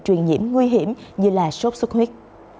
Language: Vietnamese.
truyền nhiễm nguy hiểm như là sốt xuất huyết